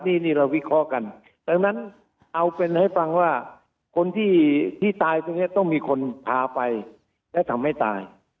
นี่เราวิเคราะห์กันดังนั้นเอาเป็นให้ฟังว่าคนที่ตายตรงนี้ต้องมีคนพาไปและทำให้ตาย